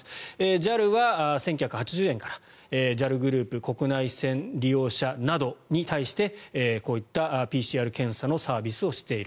ＪＡＬは１９８０円からＪＡＬグループ国内線利用者などに対してこういったＰＣＲ検査のサービスをしている。